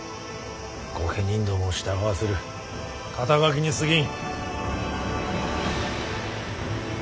御家人どもを従わせる肩書にすぎん。